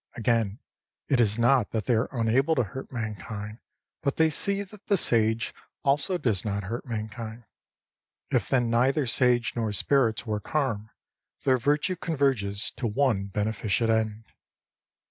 Again, it is not that they are unable to hurt mankind, but they see that the Sage also does not hurt mankind. If then neither Sage nor spirits work harm, their virtue converges to one beneficent end.